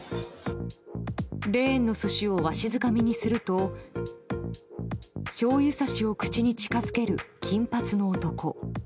レーンの寿司をわしづかみにするとしょうゆさしを口に近づける金髪の男。